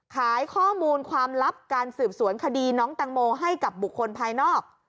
ขายข้อมูลความลับการสืบสวนคดีน้องแตงโมให้กับบุคคลภายนอก